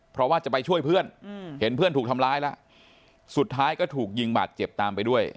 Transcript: เพราะว่าจะไปช่วยเพื่อนเห็นเพื่อนถูกทำร้ายแล้วสุดท้ายก็ถูกยิงบาดเจ็บตามไปด้วย